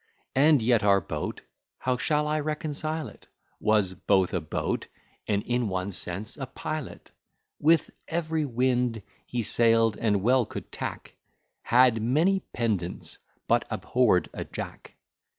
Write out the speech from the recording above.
And yet our Boat (how shall I reconcile it?) Was both a Boat, and in one sense a pilot. With every wind he sail'd, and well could tack: Had many pendants, but abhorr'd a Jack.